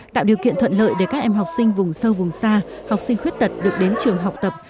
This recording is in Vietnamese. tạo điều kiện thuận lợi để các em học sinh vùng sâu vùng xa học sinh khuyết tật được đến trường học tập